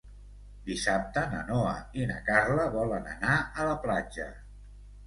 Dissabte na Noa i na Carla volen anar a la platja.